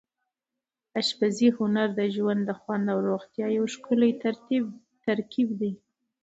د اشپزۍ هنر د ژوند د خوند او روغتیا یو ښکلی ترکیب دی.